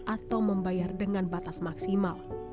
atau membayar dengan batas maksimal